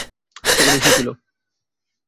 সেখানেই সে ছিলো।